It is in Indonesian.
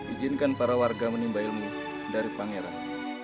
ijinkan para warga menimba ilmu dari pangeran